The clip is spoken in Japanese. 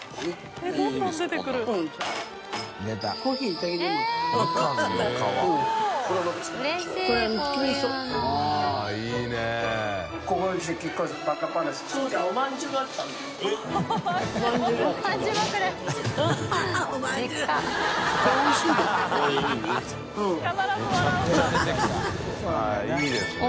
◆舛いいですね。